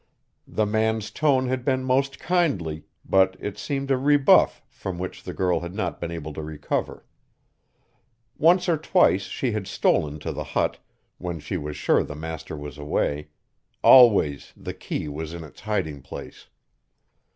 The man's tone had been most kindly, but it seemed a rebuff from which the girl had not been able to recover. Once or twice she had stolen to the hut, when she was sure the master was away; always the key was in its hiding place.